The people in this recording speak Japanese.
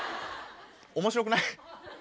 面白くない？